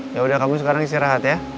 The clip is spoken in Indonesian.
yaudah kamu sekarang istirahat ya